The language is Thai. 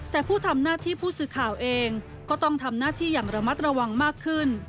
แต่ผู้ทำหน้าที่ผู้สื่อข่าวเองก็ต้องทำหน้าที่อย่างระมัดระวังมากขึ้น